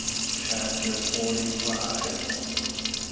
CHAPTER FORTY FIVE.